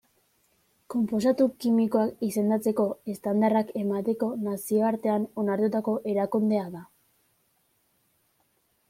Konposatu kimikoak izendatzeko estandarrak emateko nazioartean onartutako erakundea da.